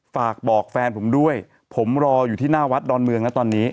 ฝากบอกแฟนผมด้วยผมรออยู่ที่หน้าวัดดอนเมืองนะตอนนี้